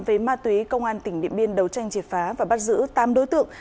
về ma túy công an tỉnh điện biên đấu tranh triệt phá và bắt giữ tám đối tượng